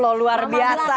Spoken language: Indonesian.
loh luar biasa